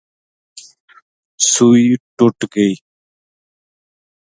سوٹی ٹُٹ گئی